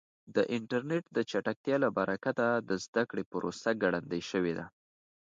د انټرنیټ د چټکتیا له برکته د زده کړې پروسه ګړندۍ شوې ده.